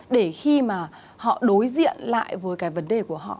để khi mà họ đối diện lại với cái vấn đề của họ